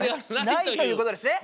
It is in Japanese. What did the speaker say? ないということですね。